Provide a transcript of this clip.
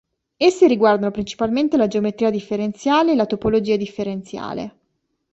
Esse riguardano principalmente la Geometria differenziale e la Topologia differenziale.